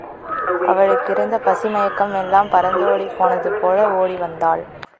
அவளுக்கிருந்த பசி மயக்கம் எல்லாம் பறந்தோடிப் போனது போல ஒடி வந்தாள்.